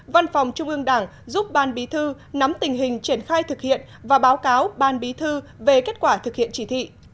văn phòng trung ương đảng giúp ban bí thư nắm tình hình triển khai thực hiện và báo cáo ban bí thư về kết quả thực hiện chỉ thị